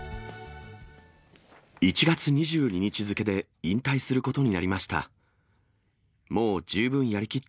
１月２２日付で引退することになりました。